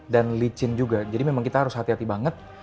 dan licin juga jadi memang kita harus hati hati banget